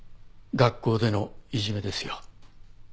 学校でのいじめですよ。